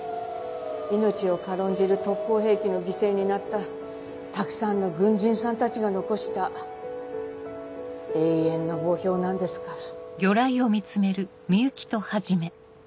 命を軽んじる特攻兵器の犠牲になったたくさんの軍人さんたちが残した永遠の墓標なんですから。